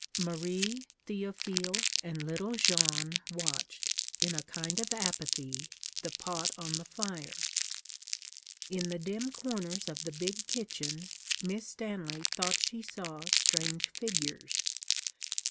Marie, Théophile, and little Jeanne watched, in a kind of apathy, the pot on the fire. In the dim corners of the big kitchen, Miss Stanley thought she saw strange figures.